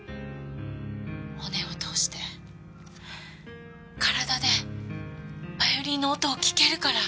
骨を通して体でヴァイオリンの音を聞けるから。